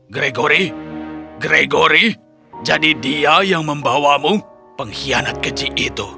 gregory gregory jadi dia yang membawamu pengkhianat kecil itu